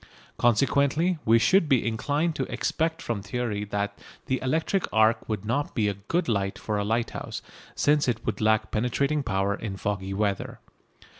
Consequently we should be inclined to expect from theory that the electric arc would not be a good light for a lighthouse, since it would lack penetrating power in foggy weather.